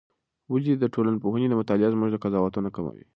ولې د ټولنپوهنې مطالعه زموږ قضاوتونه کموي؟